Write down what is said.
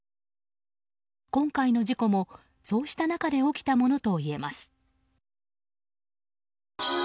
今回の事故も、そうした中で起きたものといえます。